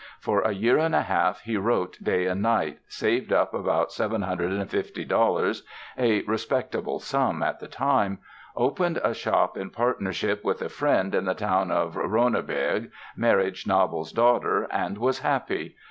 For a year and a half he wrote day and night, saved up about $750 (a respectable sum at the time) opened a shop in partnership with a friend in the town of Ronneberg, married Schnabel's daughter and was happy.